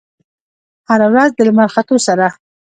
هره ورځ د لمر ختو سره